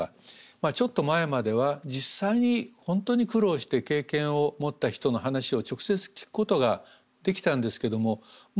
ちょっと前までは実際に本当に苦労して経験を持った人の話を直接聞くことができたんですけどももう事実上できないんですね。